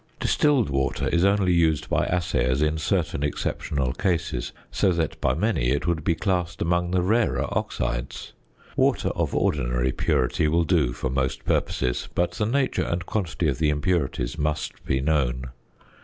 Distilled water is only used by assayers in certain exceptional cases, so that by many it would be classed among the rarer oxides. Water of ordinary purity will do for most purposes, but the nature and quantity of the impurities must be known.